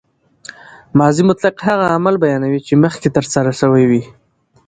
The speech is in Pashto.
ماضي مطلق هغه عمل بیانوي، چي مخکښي ترسره سوی يي.